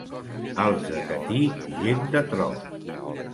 Els de Catí, gent de tro.